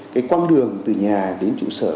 cái quang đường từ nhà đến chủ xã